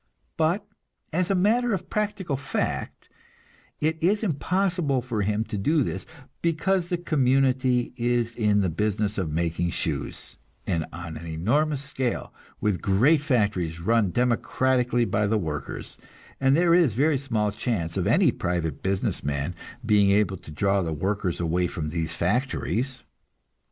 But, as a matter of practical fact, it is impossible for him to do this, because the community is in the business of making shoes, and on an enormous scale, with great factories run democratically by the workers, and there is very small chance of any private business man being able to draw the workers away from these factories.